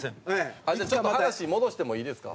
ちょっと話戻してもいいですか？